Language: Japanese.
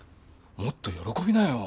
もっと喜びなよ。